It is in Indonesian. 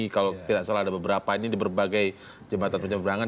kalau tidak salah ada beberapa ini di berbagai jembatan penyeberangan